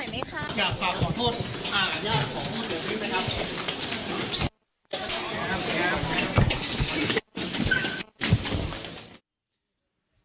อยากฝากขอโทษญาติของผู้เสียชีวิตไหมครับ